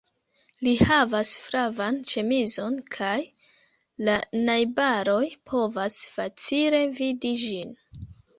Li havas flavan ĉemizon kaj la najbaroj povas facile vidi ĝin.